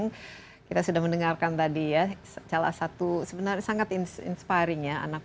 muda kita livi zeng kita sudah mendengarkan tadi ya salah satu sebenarnya sangat inspiring ya anak